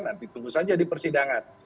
nanti tunggu saja di persidangan